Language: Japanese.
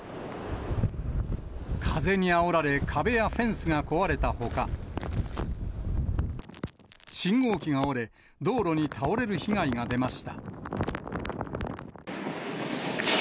風にあおられ、壁やフェンスが壊れたほか、信号機が折れ、道路に倒れる被害が出ました。